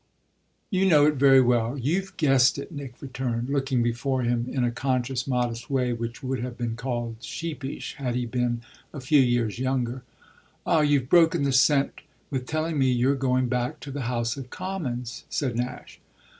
"You know it very well you've guessed it," Nick returned, looking before him in a conscious, modest way which would have been called sheepish had he been a few years younger. "Ah you've broken the scent with telling me you're going back to the House of Commons," said Nash.